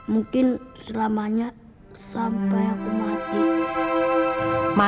mungkin selamanya sampai aku mati